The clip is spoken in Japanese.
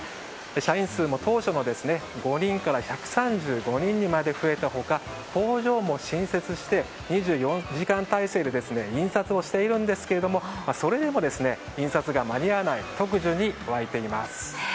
社員数も当初の５人から１３５人にまで増えた他工場も新設して、２４時間体制で印刷をしているんですけどもそれでも印刷が間に合わない特需に沸いています。